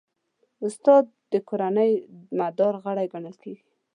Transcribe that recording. استاد د کورنۍ دوامدار غړی ګڼل کېږي.